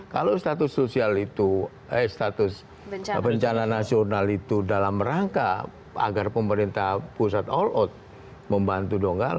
kalau status bencana nasional itu dalam rangka agar pemerintah pusat all out membantu dong